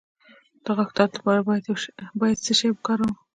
د غاښ د درد لپاره باید څه شی وکاروم؟